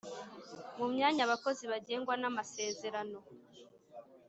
mu myanya abakozi bagengwa n’amasezerano